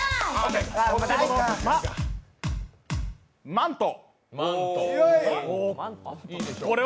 マント。